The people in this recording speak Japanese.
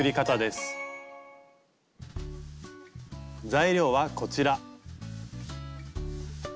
材料はこちら。